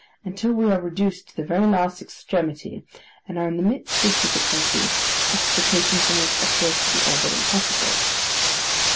until we are reduced to the very last extremity, and are in the midst of difficulties, extrication from which appears to be all but impossible.